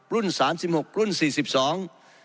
รุ่น๓๖รุ่น๔๒